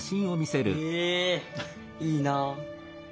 へえいいなあ。